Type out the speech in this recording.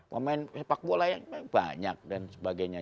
memain sepak bola ya banyak dan sebagainya